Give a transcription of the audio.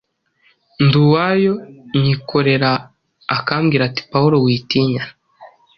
ndi uwayo, nyikorera; akambwira ati: ‘Pawulo witinya,